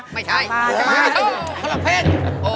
เมื่อไงหรืออย่างงี้ผลังเพลง